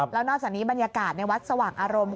แล้วนอกจากนี้บรรยากาศในวัดสว่างอารมณ์